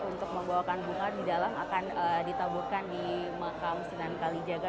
untuk membawakan bunga di dalam akan ditaburkan di makam sunan kalijaga